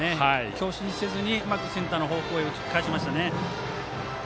強振せずにうまくセンター方向に打ち返しましたね。